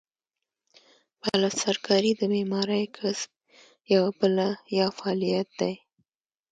پلسترکاري د معمارۍ کسب یوه بله یا فعالیت دی.